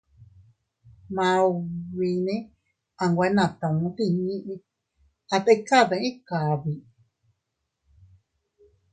Maubine a nwe natu tinni, a tika dii kabi.